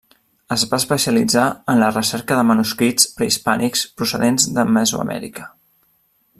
Es va especialitzar en la recerca de manuscrits prehispànics procedents de Mesoamèrica.